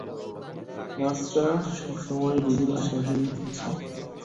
নার্সরা সব সময়েই রোগীর আশেপাশেই আছে।